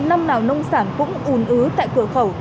năm nào nông sản cũng ùn ứ tại cửa khẩu